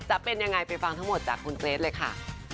จะเป็นยังไงไปฟังทั้งหมดจากคุณเกรทเลยค่ะ